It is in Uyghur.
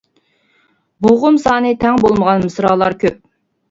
بوغۇم سانى تەڭ بولمىغان مىسرالار كۆپ.